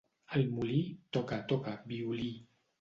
Al Molí, toca, toca, violí.